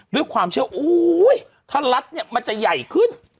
ด้วยความเชื่อว่าถ้ารัดเนี่ยมันจะใหญ่ขึ้น